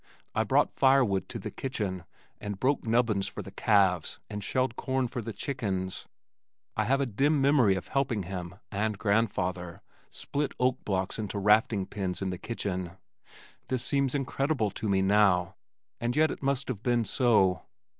I brought firewood to the kitchen and broke nubbins for the calves and shelled corn for the chickens. I have a dim memory of helping him (and grandfather) split oak blocks into rafting pins in the kitchen. This seems incredible to me now, and yet it must have been so.